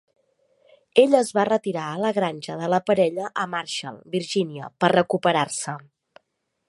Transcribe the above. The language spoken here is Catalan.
Ell es va retirar a la granja de la parella a Marsall, Virgínia, per recuperar-se.